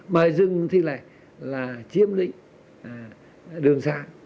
mà dừng thì là chiếm định đường xa